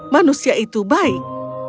manusia itu baik